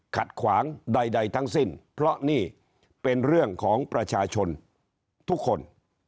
ขัดขวางใดทั้งสิ้นเพราะนี่เป็นเรื่องของประชาชนทุกคน